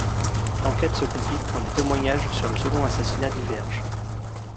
L'enquête se complique quand les témoignages sur le second assassinat divergent.